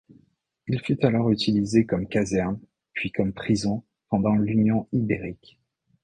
Il fut alors utilisé comme caserne, puis comme prison pendant l'Union ibérique.